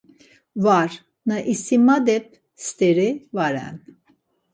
Var, na isimadep steri va ren.